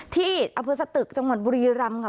ที่อภาษณฑตึคจังหวัดบุรีรำ